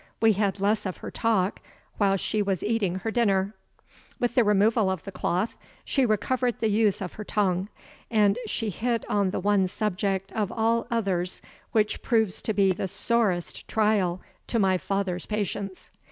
We had less of her talk while she was eating her dinner. With the removal of the cloth, she recovered the use of her tongue; and she hit on the one subject of all others which proves to be the sorest trial to my father's patience.